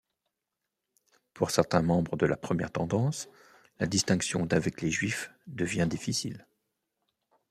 Pour certains membres de la première tendance, la distinction d'avec les Juifs devient difficile.